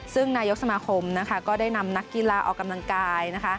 ซึ่งนายกสมาคมนะคะก็ได้นำนักกีฬาออกกำลังกายนะคะ